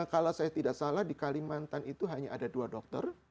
kalau saya tidak salah di kalimantan itu hanya ada dua dokter